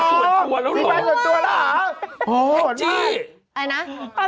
นี่แกคือนี่ส่วนตัวตัวตัวเหรอ